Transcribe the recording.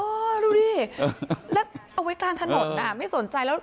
ดูดิแล้วเอาไว้กลางถนนอ่ะไม่สนใจแล้ว